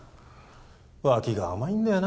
脇が甘いんだよな